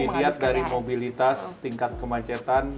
dilihat dari mobilitas tingkat kemacetan